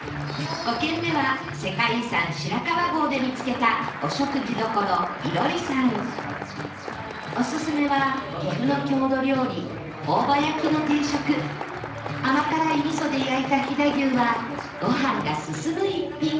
５軒目は世界遺産白川郷で見つけたおすすめは岐阜の郷土料理甘辛い味噌で焼いた飛騨牛はご飯が進む一品